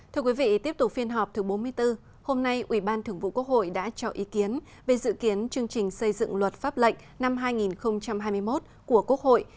thưa quý vị tiếp tục phiên họp thứ bốn mươi bốn hôm nay ủy ban thường vụ quốc hội đã cho ý kiến về dự kiến chương trình xây dựng luật pháp lệnh năm hai nghìn hai mươi một của quốc hội